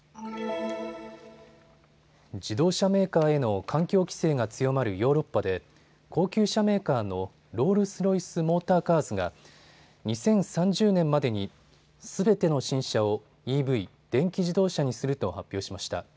自動車メーカーへの環境規制が強まるヨーロッパで高級車メーカーのロールス・ロイス・モーター・カーズが２０３０年までにすべての新車をＥＶ・電気自動車にすると発表しました。